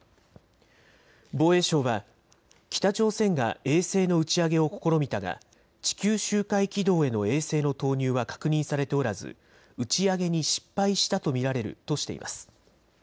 防衛省は北朝鮮が衛星の打ち上げを試みたが地球周回軌道への衛星の投入は確認されておらず打ち上げに失敗したと見られるとしています。